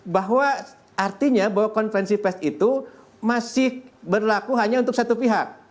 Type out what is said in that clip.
bahwa artinya bahwa konferensi pes itu masih berlaku hanya untuk satu pihak